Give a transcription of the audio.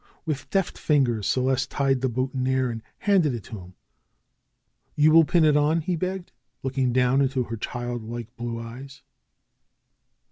With deft fingers Celeste tied the boutonniere and handed it to him. '^You will pin it on?" he begged, looking down into her child like blue eyes.